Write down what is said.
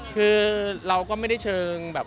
คือเราก็ไม่ได้เชิงแบบ